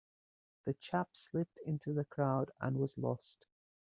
The chap slipped into the crowd and was lost.